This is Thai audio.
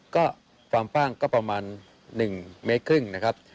ก็ความฟ่างก็ประมาณ๑๕เมตรนะครับ